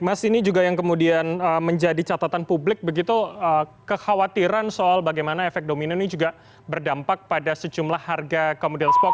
mas ini juga yang kemudian menjadi catatan publik begitu kekhawatiran soal bagaimana efek domino ini juga berdampak pada sejumlah harga komodir spot